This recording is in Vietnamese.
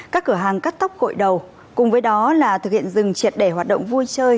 các cửa hàng cắt tóc gội đầu cùng với đó là thực hiện dừng triệt để hoạt động vui chơi